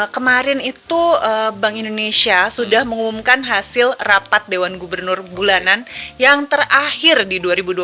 kemarin itu bank indonesia sudah mengumumkan hasil rapat dewan gubernur bulanan yang terakhir di dua ribu dua puluh satu